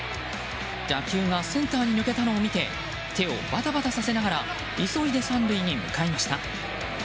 打球がセンターに抜けたのを見て手をバタバタさせながら急いで３塁に向かいました。